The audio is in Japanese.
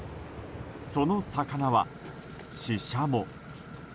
その魚は、シシャモ。